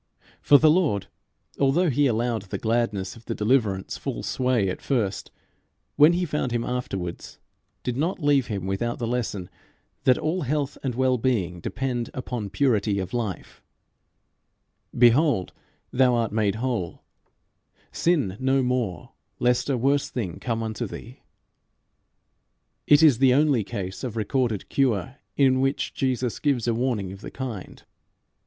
For the Lord, although he allowed the gladness of the deliverance full sway at first, when he found him afterwards did not leave him without the lesson that all health and well being depend upon purity of life: "Behold, thou art made whole: sin no more lest a worse thing come unto thee." It is the only case of recorded cure in which Jesus gives a warning of the kind.